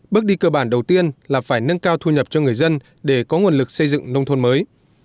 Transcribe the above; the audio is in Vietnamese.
bước đi cơ bản đầu tiên là phải nâng cao thu nhập cho người dân để có nguồn lực xây dựng nông thôn mới